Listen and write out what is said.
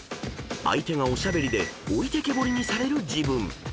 ［相手がおしゃべりで置いてけぼりにされる自分］